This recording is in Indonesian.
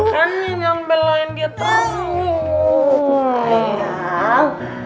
belain dia terus